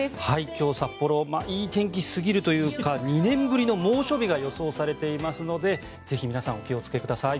今日、札幌いい天気すぎるというか２年ぶりの猛暑日が予想されていますのでぜひ皆さんお気をつけください。